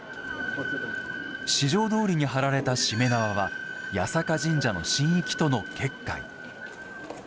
四条通に張られた、しめ縄は八坂神社の神域との結界。